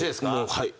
はい。